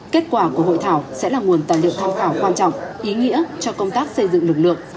kết quả của hội thảo sẽ là nguồn tài liệu tham khảo quan trọng ý nghĩa cho công tác xây dựng lực lượng